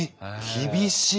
厳しい！